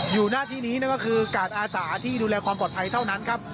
อยู่หน้าที่นี้นั่นก็คือการอาสาที่ดูแลความปลอดภัยเท่านั้นครับ